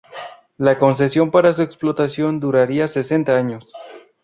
La concesión para su explotación duraría sesenta años.